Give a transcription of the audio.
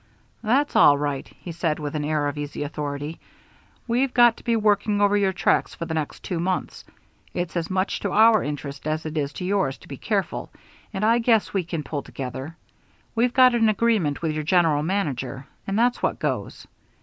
"That's all right," he said, with an air of easy authority. "We've got to be working over your tracks for the next two months. It's as much to our interest as it is to yours to be careful, and I guess we can pull together. We've got an agreement with your general manager, and that's what goes."